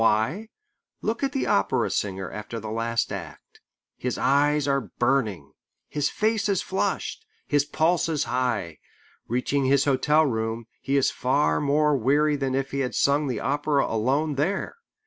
Why? Look at the opera singer after the last act. His eyes are burning. His face is flushed. His pulse is high. Reaching his hotel room, he is far more weary than if he had sung the opera alone there.